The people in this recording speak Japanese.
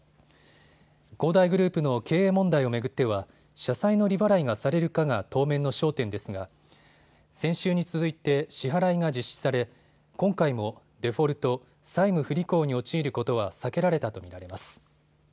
恒大グループの経営問題を巡っては社債の利払いがされるかが当面の焦点ですが先週に続いて支払いが実施され今回もデフォルト・債務不履行に陥ることは避けられたと見られます。